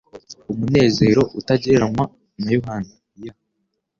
Umunezero utagereranywa wa Yohana, y